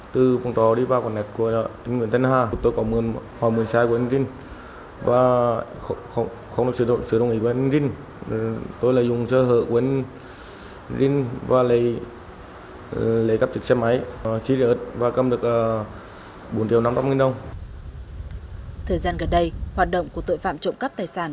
thời gian gần đây hoạt động của tội phạm trộm cắp tài sản